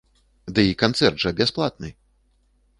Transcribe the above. Ды і канцэрт жа бясплатны.